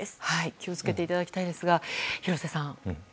気を付けていただきたいですが廣瀬さん。